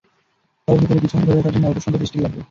তবে ভেতরে কিছু অংশ ধরে রাখার জন্য অল্প সংখ্যক স্টিল থাকবে।